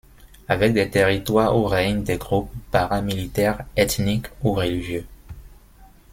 Avec des territoires où règnent des groupes paramilitaires, ethniques ou religieux.